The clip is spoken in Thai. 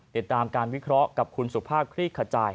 ติดตามการวิเคราะห์กับคุณสุภาพคลี่ขจาย